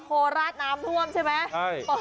โคราชน้ำท่วมใช่ไหม